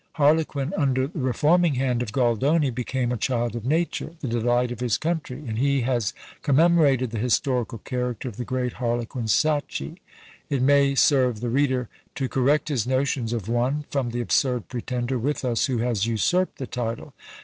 Harlequin, under the reforming hand of Goldoni, became a child of nature, the delight of his country; and he has commemorated the historical character of the great Harlequin Sacchi. It may serve the reader to correct his notions of one, from the absurd pretender with us who has usurped the title.